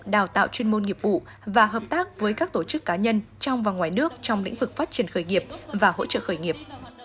đào tạo chuyên môn nghiệp vụ và hợp tác với các tổ chức cá nhân trong và ngoài nước trong lĩnh vực phát triển khởi nghiệp và hỗ trợ khởi nghiệp